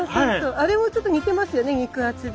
あれもちょっと似てますよね肉厚で。